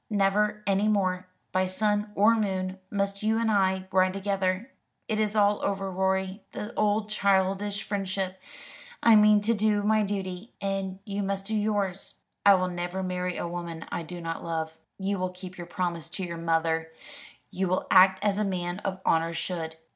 Never any more, by sun or moon, must you and I ride together. It is all over, Rorie, the old childish friendship. I mean to do my duty, and you must do yours." "I will never marry a woman I do not love." "You will keep your promise to your mother; you will act as a man of honour should.